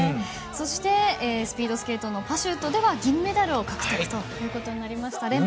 そして、スピードスケートのパシュートでは銀メダルを獲得となりました。